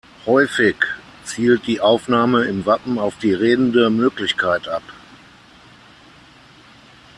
Häufig zielt die Aufnahme im Wappen auf die redende Möglichkeit ab.